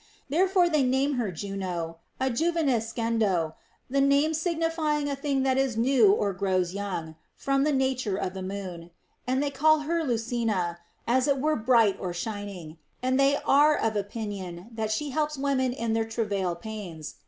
There fore they name her Juno (« juOenescendo, the name signi fying a thing that is new or grows young) from the nature of the Moon ; and they call her Lucina (as it were bright or shining), and they are of opinion that she helps women in their travail pains.